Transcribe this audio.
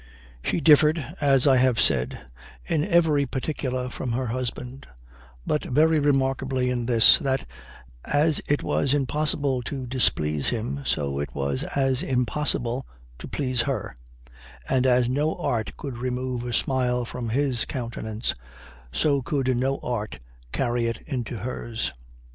She differed, as I have said, in every particular from her husband; but very remarkably in this, that, as it was impossible to displease him, so it was as impossible to please her; and as no art could remove a smile from his countenance, so could no art carry it into hers.